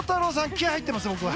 気合入ってます。